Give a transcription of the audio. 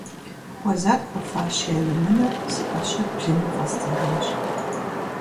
Хуэзат хуэфащи а емынэр, си Ӏэщэр блыным фӀэздзэжащ.